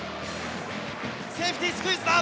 セーフティースクイズだ。